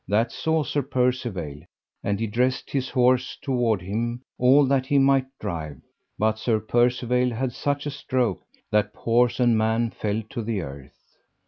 That saw Sir Percivale, and he dressed his horse toward him all that he might drive, but Sir Percivale had such a stroke that horse and man fell to the earth.